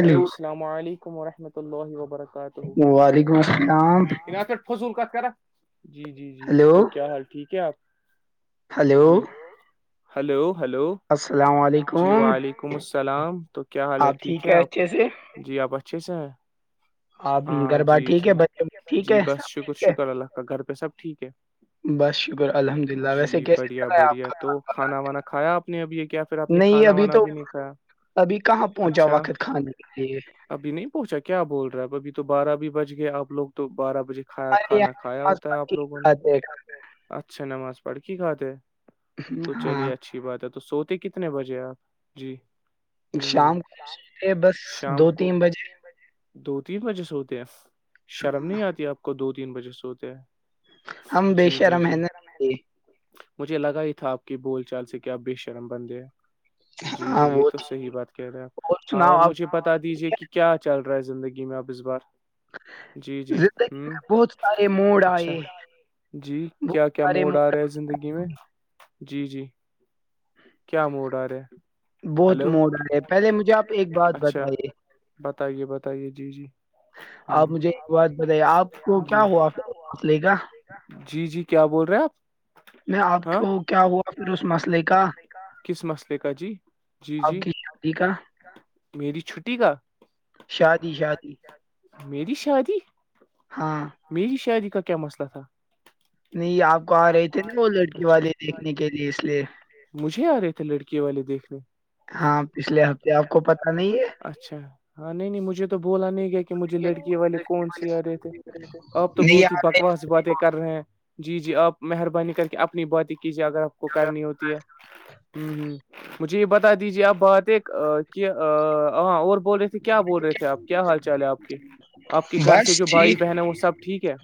Hello السلام علیکم ورحمۃ اللہ وبرکاتہ وعلیکم السلام [unintelligible] حضول کا کرا جی جی جی ہلو تو کیا حال ٹھیک ہے آپ [unintelligible] ہلو جی ہلو ہلو السلام [unintelligible] جی علیکم وعلیکم السلام تو کیا حال ہے آپ ٹھیک ا آپ اچھے سے جی آپ اچھے سے ہیں [unintelligible] آپ ہاں گھر بار جی ٹھیک ہے جی بچے ٹھیک جی ہے بس سب شکر ٹھیک شکر اللہ کا گھر پہ سب ٹھیک ہے ہے بس شکر الحمد للہ [unintelligible] ویسے جی کیسے چل بڑھیا رہا ہے آپ بڑھیا تو کھانا وانا کھایا آپ [unintelligible] آ نے اب یہ کیا پھر آپ کا؟ نے نہیں کانا ابھی وانا تو بھی نہیں کایا [unintelligible] ابھی کہاں پہنچا واقد خھانے کے لیے [unintelligible] ابھی نہیں پوچا کیا بول رہا ہے اب ابھی تو بارہ بھی بج گئے آپ لوگ تو بارہ [unintelligible] مجھے کھیا ہمارے کھانا یہاں کھایا آس ہوتا ہے پاس آپ کی لوگوں نے بات ہے اچھا نماز پڑھ کی کھاتات تو چلی ہاں [unintelligible] اچھی بات ہے تو سوتے کتنے بجے آپ جی ہ ہ شام کو کے بس شام دو کو تین بجے دو تین بجے سوتے ہیں شرم نہیں آتی آپ کو دو تین بجے سوتے ہم ہیں بے جی جی شرم ہے جی نا یہ۔ مجھے لگا ہی تھا آپ کی بول چال سے کیا آپ بے شرم بندے جی ہاں جی یہ وہ تو تھی۔ صحیح بات کہہ رہے ہیں آپ ہاں سناؤ اور آپ مجھے بتا دیجے کہ کیا چل رہا ہے زندگی میں اب اس بار جی جی زندگی ہ میں بہت سارے موڈ اچھا آئے جی بہت کیا کیا سارے موڈ آ رہا ہے زندگی میں جی جی کیا موڈ آ رہا بہت ہلو موڈ آ رہے ہے پہلے مجھے آپ ایک بات اچھا بتائیے بتائیے بتائیے جی جی آپ مجھے ہ ایک بات بتائیے آپ کو جی کیا ہوا فاصلے کا جی جی کیا بول رہے آپ میں آپ ہاں کو کیا ہوا پھر اس مسئلے کا کس مسئلے کا جی جی آپ جی کی شادی کا میری چھٹی کا شادی شادی میری شادی ہاں میری شادی کا کیا مسئلہ تھا نہیں آپ کو آ رہے تھے نا وہ لڑکی اچھا والے دیکھنے کے لیے اس لیے مجھے آ رہے تھے لڑکے والے دیکھنے ہاں پچھلے ہفتے آپ کو پتا نہیں ہے اچھا ہاں نہیں نہیں مجھے تو بولا نہیں گیا کہ مجھے لڑکی والے لڑکی کون سی آ رہے کو تھے دیکھ آپ تو تھے؟ نہیں بہت ہی بکواس باتیں کر رہے ہیں جی جی آپ مہربانی کر کے اپنی باتیں کیجیے اگر آپ کو کرنی ہوتی ہے ہ ہ مجھے یہ بتا دیجیے آپ بات ایک کیا ہاں اور بول رہے تھے کیا بول رہے تھے آپ کیا حال چال ہے آپ کے آپ کے گھر سے بس جو بھائی ٹھیک بہن ہے وہ سب ٹھیک ہے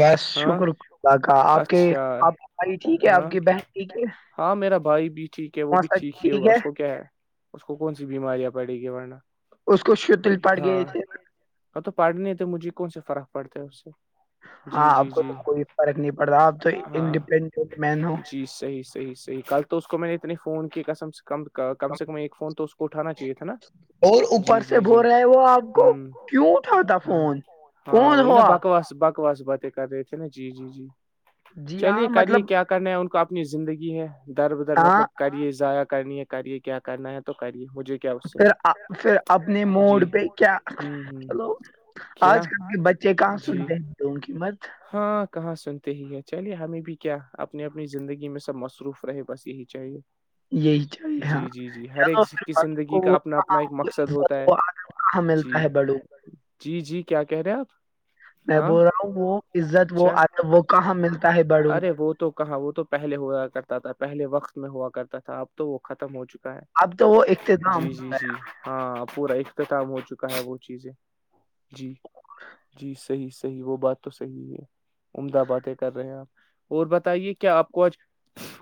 بس ہاں شکرلہ کا آپ کے اچھا آپ کے بھائی ٹھیک ہے ہاں آپ کی بہن ٹھیک ہے ہاں میرا بھائی بھی ٹھیک ہے وہ بھی ٹھیک ہی ہوگا اس کو کیا ہے اس کو کون سی بیماریاں پڑیں گی ورنہ اس کو شتل پڑ ہاں گئے تھے وہاں تو پڑنے تھ مجھے کون سےا فرق پڑتا ہے اس سے ہاں جی آپ جی کو تو جی کوئی فرق نہیں پڑتاا آپ تو انڈیپینڈنٹ مین ہو چیز صحیح صحیح ی کل تو اس کو میں نے اتنے فون کیم ک کم سے کم ایک فون تو اس کو اٹھانا چاہیے تھا نا اور اوپر جی سے جی جی ب رہے وہ آپ کو ہ کیوں اٹھاتا ہاں فون ہاں کون وہی ہو نا آپ بکواس بکواس باتیں کر رہے تھے نا جی جی جی جی چلیے ہاں کریے مطلب کیا کرنے ان کو اپنی زندگی ہے در بدر ہاں مطلب کرے ضائع کرنی ہے کریے کیا کرنا ہے تو کرے مجھے کیا اس سے پھر پھر اپنے موڈ جی پہ کیا ہ ہ چلو کیا آج کل کے بچے کہاں جی سنتے ہیں تو ان کی مت ہاں کہاں سنتے ہی ہیں چلیے ہمیں بھی کیا اپنی اپنی زندگی میں سب مصروف رہے بس یہی چاہیے یہی چاہیے ہاں جی جی جی ہر ایک چلو پھر کی بڑوں زندگی کو کا وہ اپنا اپنا کہاں ایک مقصد ہوتا ہے وہ کہاں جی ملتا ہے بڑوں کو۔ جی جی کیا کہہ رہے ہیں آپ میں ہاں بول رہا ہوں وہ عزت وہ اچھا وہ کہاں ملتا ہے بڑوں ارے وہ تو کہاں وہ تو پہلے ہوا کرتا تھا پہلے وقت میں ہوا کرتا تھا اب تو وہ ختم ہو چکا اب تو وہ ہے اختتام جی ہو جی گ جی ہاں پورا اختتام ہو چکا ہے وہ چیزیں جی جی صحیح صحیح وہ بات تو صحیح ہے عمدہ باتیں کر رہے ہیں آپ اور بتائیے کیا آپ کو آج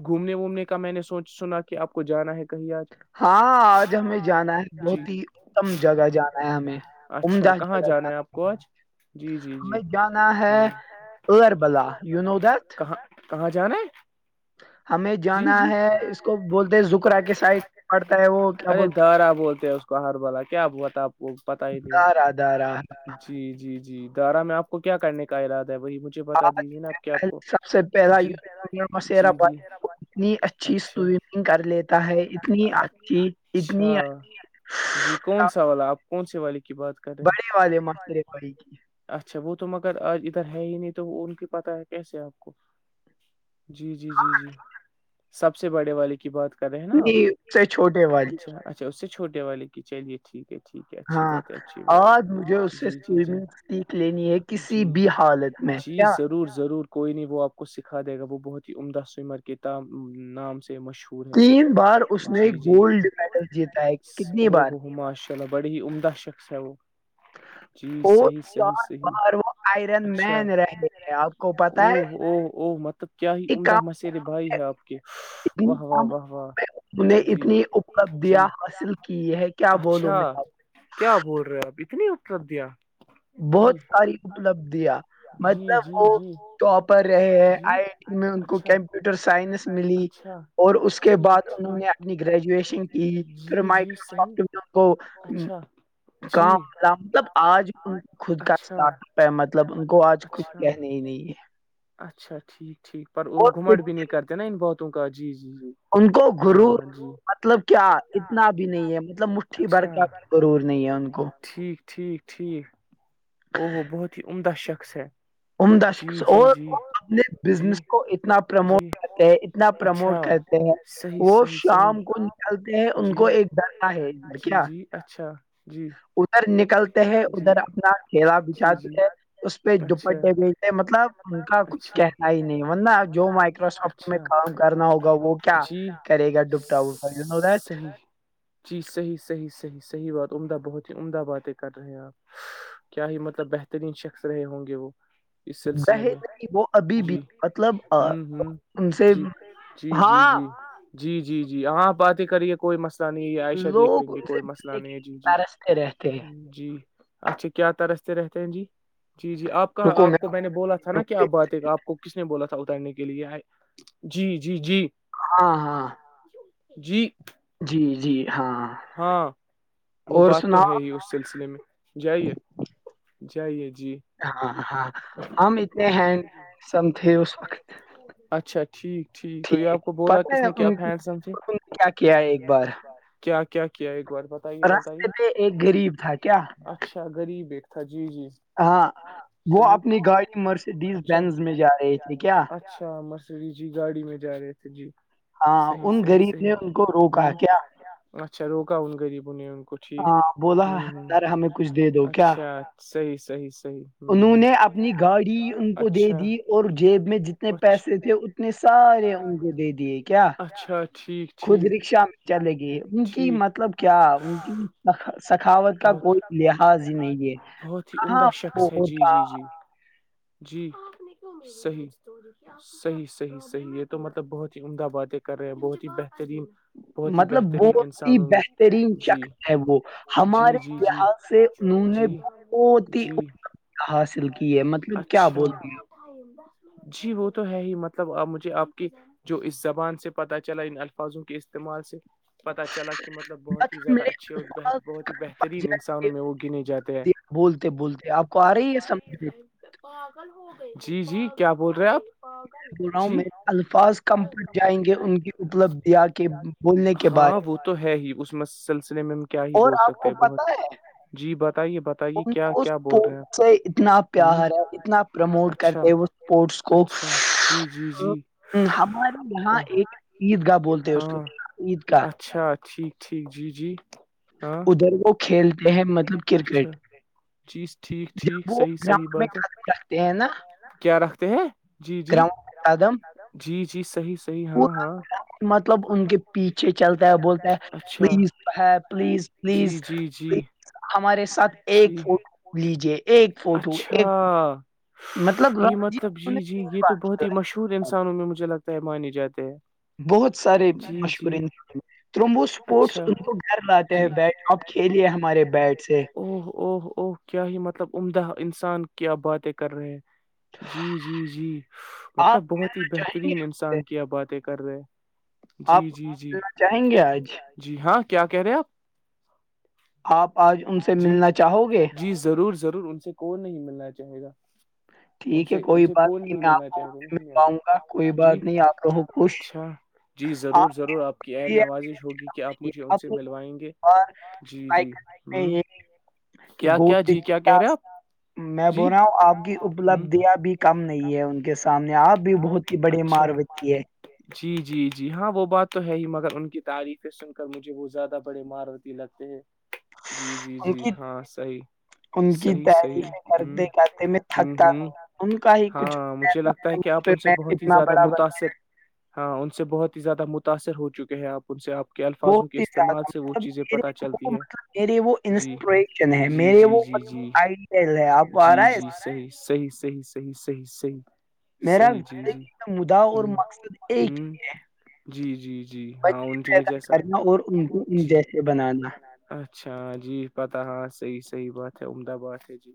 گھومنے وومنے کا میں نے سوچ سنا کہ آپ کو جانا ہے کہیں آج ہاں آج ہمیں جانا ہے جی بہت ہی اتم جگہ جانا ہے ہمیں عمدہ جگہ جانا ہے کوچ جی جی جی ہمیں جانا ہے ہوں، ار بلا یو نو دیت کہاں کہاں جانا ہے ہمیں جی جانا جی ہے اس کو بولتے زکرا ارے کے سائڈ پڑتا ہے وہ کیا بول دارا بولتے ہیں اس کو کہر والا کیا بتا آپ کو پتا ہی ہیں، نہیں ہے دارا دارا جی جی جی دارا میں آپ کو کیا کرنے کا اراد ہے وہی مجھے ج بتا دیجیے ناپ کیا آپ پہلے کو سب سے پہلا جی یونیورسٹی مسیرا جی جی بھائی وہ اتنی اچھی اچھا سوئمنگ کر لیتا ہے اتنی اچھی اچھا اتنی اچھی جی کون سا والا آپ کون سے والے کی بات کر رہے ہیں بڑے والے مسرے بھائی کی اچھا وہ تو مگر آج ادھر ہے ہی نہیں تو ان کی پتہ ہے کیسے آپ کو جی جی جی جی سب سے بڑے والے کی بات کر رہے ہیں نا ج آپ سے چھوٹے والی اچھا اچھا اس سے چھوے والے کی چلیے ٹھیک ہے ٹھیک ہے اچھی ہاں بات ہے اچھی بات ہے اور مجھے اس سے جی جی جی سوئمنگ سیکھ لینی ہے جی کسی بھی حالت میں جی کیا ضرور ضرور کوئی نہیں وہ آپ کو سکھا دے گا وہ بہت ہی عمدہ سوئمر کے ت نام سے مشہور ہے تین بار اس نے جی جی گولڈ میڈل جیتا ہے کتنی بار چلو بڑی ہی عمدہ شخص ہے وہ چیز اور صحیح چار صحیححح بار وہ آئرن اچھا مین رہے ہیں آپ کو ا پتا ہے ا مت کیا ہی ایک عمدہ کام مسل بھائی ہے آپ کے اتنی واہ واہ کام میں واہ واہ انہیں جی اتنی جی اپلبدیاں حاصل کی ہے کیا بولوں اچھا میں اب کیا بول رہے آپ اتنی اتر دیا بہت ساری اپلبدیاں جی مطلب جی وہ جی ٹاپر رہے ہیں جی آئی آئی ٹی میں ان کو اچھا کمپیوٹر سائنس ملی اچھا اور اس کے ٹھیک بعد انہوں نے ٹھیک اپنی گریجویشن کی پھر جی جی صحیح مائکروسافٹ میں ان کو اچھا کام جی مطلب آج خود کا اسٹ اچھا ہے مطلب ان کو آج کچھ اچھا کہنے ہی نہیں ہے اچھا ٹھیک ٹھیک پر وہ اور پھر گھومٹ بھی نہیں کرتے نا ان بہتوں کا جی جی جی ان کو گرو ہاں جی مطلب کیا اتنا بھی نہیں ہے مطلب مٹھی بھر اچھا کا بھی ضرور نہیں ہے ان کو ٹھیک ٹھیک ٹھیک ا بہت ہی عمدہ شخص ہے عمدہ جی شخص جی اور جی اپنے جی بزنس کو اتنا جی پرموٹ اتنا پرموٹ اچھا کرتے ہیں صحیح وہ صحیح شام کو صحیح نکالتے ہیں ان جی کو ایک ڈرتا ہے ادھر جی جی اچھا جی اھر نکلتے ہیں ادھر اپنا کھیلا بچھاتے ہے اس پہ گ تھے مطلب ان کا کچھ کہنا ہی نہیں ورنہ جو مائکروسافٹ میں کام ہمیں کرنا ہوگا وہ کیا کرے گا ڈبٹا وا نورج صحیح جی صحی بات عمدہ بہت ہی عمد بات کر رہے ہیں آپ کیا ہی مطلب بہترین شخص رہے ہوں گے وہ اس بہ سلسلے میں نہیں وہ ابھی بھی جی مطلب ہوں ہوں ان سے جی جی جی ہاں جی جی جی جی آپ باتیں کریے کوئی مسئلہ نہیں ہے عائشہ دیکھ لوگ لیں گے ان سے کوئی مسئلہ ملنے نہیں کے ہے لیے جی جی ترستے رہتے ہیں جی اچھا کیا ترستے رہتے ہیں جی جی جی آپ کہاں آپ کو میں نے بولا تھا نا رکو کیا بات ہے آ کو کس نے بولا تھا اترنے کے لیے آئے جی جی جی ہاں ہاں جی جی جی ہاں ہاں وہ اور بات تو سناؤ ہے ہی اس سلسللہ ے میں جائیے جائیے جی ہاں ہاں ہم انے اتنے ہینڈ سم تھے اس وقت اچھا اچ ٹھیک ٹھیک تو یہ آپ کو بولا پتہ کس ہے نے کیا ان آپ ہینڈم ان نے کیا کیا ہے ایک کیا کیا کیا ایک بار پ رستے پہ ایک غریب تھا کیا اچھا غریب ایک تھا جی جی ہاں وہ اپنی گاڑی صحیح مرسیڈیز اچھا بینز میں جا رہے تھھی کیا اچھا مسی جی گاڑی میں جا رہے تھے جی ہاں صحیح ان صحیح غریب صحیح نے ان کو روکا ہ کیا اچھا روکا ان غریبوں نے ان کوچ ٹھیک ہاں بولا ہوں ہ سر ہمیں کچھ دے دو کیا اچھاچ صحیح صحیح صحیح ہ انہوں نے اپنی ہ گاڑی ان کو دے اچھا دی اور جیب میں جتنے اچھا پیسے تھے اپ نے سارے ان کو دے دیے کیا اچھا ٹھیک خود ٹھیک رکشا چلے گی ان کی ٹھیک مطلب کیا ان کی سخاوت کا بہت کوئی لحاظ ہی نہیں ہے بہت ہی کہاں عمدہ شخص ہے جی وہتا جی جی جی صحیح صحیح صحیح صحیح یہ تو مطلب بہت ہی عمدہ باتیں کر رہے ہیں بہت ہی بہترین بہت ہی مطلب بہترین بہت ہی انسانوں میں بہترین جی چکر ہے وہ جی ہمارے جی جی لحاظ سے انہوں نے جی بہت ہی جی حاصل کی ہے مطلب کیا اچھا بولوں جی وہ تو ہے ہی مطلب آپ مجھے آپ کے جو اس زبان سے پتہ چلا ان الفاظوں کے استعمال سے پت چلا کہ مطلب ب بہت ہی زیادہ میرے اچھے اور بہت ہی بہترین انسانوں میں وہ گنے جاتے ہیں بولتے بولتے آپ کو آ رہی ہے سمجھ میں جی جی کیا بول رہے آپ بوں جی میں الفاظ کم پٹ جائیں گے ان کی اپلبدیاں کے بولنے کے بارے ہاں میں وہ تو ہے ہی اس سلسلے میں ہم کیا ہی بول سکتے وہ ہیں بہت پتا ہے جی بتائیے بتائیے ان کیا کو کیا بول رہے ہیں اسپورٹ سے اتنا آپ ہوں پیار ہے اتنا پرموٹ اچھا کرتے ہیں وہ اسپورٹس کو اچھا جی جی جی ہمارے یہاں اوہ، ایک عید گاہ بولتے ہیں اس کے ہاں عید کاار اچھا ٹھیک ٹھیک جی جی ہاں ادھر وہ کھیلتے ہیں مطلب کرکٹ جیز ٹھیک ٹھیک جب وہ صحیح صحیح گراؤنڈ میں بات ہے قدم رکھتے ہیں نا کیا رکھتے ہیں جی جی گراؤنڈ میں قدم جی جی صحیح صحیح ہاں پورا ہاں مطلب ان کے پیچھے چلتا ہے بولتا ہے اچھا پلیز ہے پلیز پلیز جی جی جی ہمارے ساتھ ایک جی فوٹو لیجے ایک فوٹو اچھا ایک مطلب ر جی چھوٹ ہے۔ انسانوں میں مجھے لگتا ہے مانے جاتے ہے بہت سارے مشہور انسان میں تمبو سپورٹس اچھا ان کو گھر لاتے ہیں جی بیٹ آپ کھیلیے ہم اوہ او او کیا ہی مطلب عمدہ انسان کیا باتیں کر رہے جی جی جی مطلب آپ بہت ہی چاہیں گے بہترین ان سے انسان کیا باتیں کر رہے جی آپ جی جی ملنا چاہیں گے آج جی ہاں کیا کہہ رہے آپ آپ آج ان سے آپ جی ملنا چاہو گے جی ضرور ضرور ان سے کوئی نہیں ملنا چاہے گا ان ٹھیک ہے سے ان کوئی سے بات کو نہیں میں ملنا آپ چاہیے سے مل نہیں ما پاؤں گا کوئی جی بات نہیں آپ رہو خوش اچھا جی ضرور ضرور آپ کی عین بھی نوازش ہوگی کہ آپ مجھے ان سے ملوائیں گے جی بائ جی کر ہ یہ کیا گ کیا جی کیا کا کہہ رہے آپ میں بول جی رہا ہوں آپ کی ہ اپلبدیاں بھی کم نہیں ہے ان کے سامنے آپ بھی بہت ہی بڑی اچھا ماروتی ہے جی جی جی ہاں وہ بات تو ہے ہی مگر ان کی تعریفیں سن کر مجھے وہ زیادہ بڑے مار لگتے ہیں جی جی ان جی کی ہاں صحیح ان کی صحیح صحیح تعریفیں کرتے کرتے میں ہ ہ تھکتا ہ نہیں ان کا ہی کچھ ہاں مجھے لگتا ہے کہ آپ اس پہ ان سے میں بہت ہی اتنا زیادہ بڑا بن متاثر ہاں انن سے بہت ہی زیادہ متاثر ہو چکے ہیں آپ ان سے آپ کے الفاظوں بہت کے ہی استعمال زیادہ سے وہ مطلب چیزیں میرے پتہ وہ چلتی ہے مطلب میرے وہ جی انسپریشن ہے جی میرے جی وہ جی مطلب جی آئیڈیل ہے آپ کو آ جی رہا ہے جی صی صحیح صی صحیح صی صی میرا زندگی میں مدا اور ہ مقصد ایک ہ ہی ہے جی جی جی ہاں ان چ جیسا کرنا اور ان کو جی جیسے بنانا اچھا جی پتا ہاں سحی سحی بات ہے امد باد ہے جی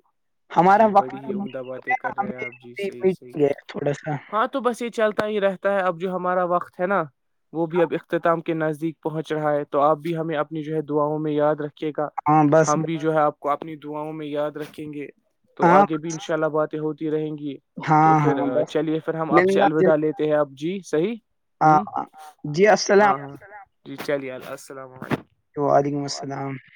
ہمارا جی وقت بڑی ہو ہی عمدہ باتیں گیا کر رہے ہیں ہمٹ آپ جی صحیح صحیح گیا تھوڑا سا ہاں تو بس یہ چلتا ہی رہتا ہے اب جو ہمارا وقت ہے نا وہ بھی اب اختتام کے نزدیک پہنچ رہا ہے تو آپ بھی ہمیں اپنی جو ہے دعاؤوں میں یاد رکھیے گا ہاں بس ہم بھی جو ہے آپ کو اپنی داؤں میں یاد رکھیں گے تو ہاں آگے بھی ان شاء اللہ باتیں ہوتی رہیں گی تو ہاں پھر ہاں بس چلیے پھر ہم آپ سے ملنا الوداع جلنا لیتے ہیں آپ جی صحیح ہ ہاں جی السلام ہاں ہاں جی چلیے اللہ السلام علیکم وعلیکم السلام